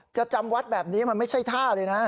จำวัดแบบนี้มันไม่ใช่ท่าเลยนะ